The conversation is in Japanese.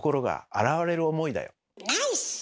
ナイス！